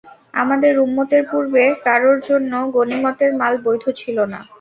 আমাদের উম্মতের পূর্বে কারোর জন্য গনীমতের মাল বৈধ ছিল না।